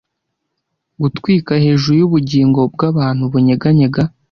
Gutwika hejuru yubugingo bwabantu bunyeganyega